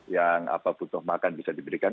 yang butuh makan bisa diberikan